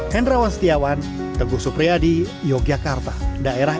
hendra wastiawan teguh supriyadi yogyakarta